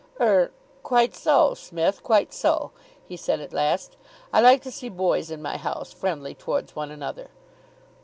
"Er quite so, Smith, quite so," he said at last. "I like to see boys in my house friendly towards one another."